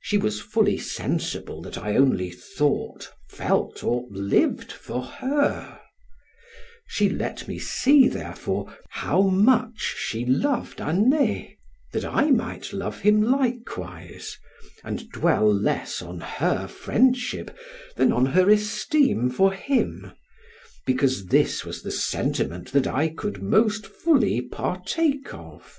She was fully sensible that I only thought, felt, or lived for her; she let me see, therefore, how much she loved Anet, that I might love him likewise, and dwell less on her friendship, than on her esteem, for him, because this was the sentiment that I could most fully partake of.